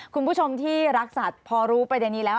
คุณผู้ชมที่รักสัตว์พอรู้ประเด็นนี้แล้ว